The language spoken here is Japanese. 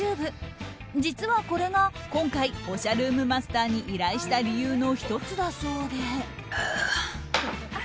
実は、これが今回おしゃルームマスターに依頼した理由の１つだそうで。